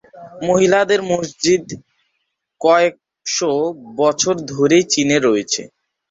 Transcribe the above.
মহিলাদের মসজিদ কয়েকশ বছর ধরেই চীনে রয়েছে।